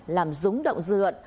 làm rúng động dư luận